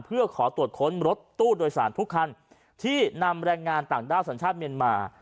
เพื่อขอตรวจค้นรถตู้โดยสารทุกคันที่นำแรงงานต่างด้าวสัญชาติเมียนมา